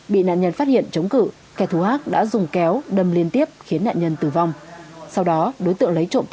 bị nạn nhân phát hiện chống cử kẻ thù hác đã dùng kéo đâm liên tiếp khiến nạn nhân tử vong